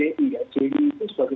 ci itu sebagai sebuah organisasi takjid